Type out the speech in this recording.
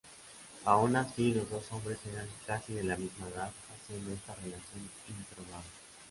Aun así, los dos hombres eran casi la misma edad, haciendo esta relación improbable.